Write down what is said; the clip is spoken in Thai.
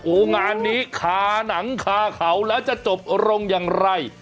โอ้โหงานนี้คาหนังคาเขาแล้วจะจบลงอย่างไร